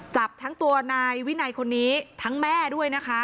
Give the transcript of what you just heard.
จับทั้งตัวนายวินัยคนนี้ทั้งแม่ด้วยนะคะ